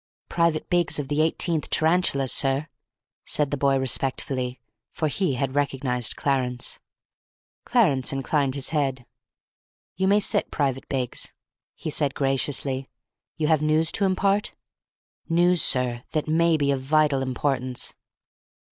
"Private Biggs of the Eighteenth Tarantulas, sir," said the boy respectfully, for he had recognised Clarence. Clarence inclined his head. "You may sit, Private Biggs," he said graciously. "You have news to impart?" "News, sir, that may be of vital importance."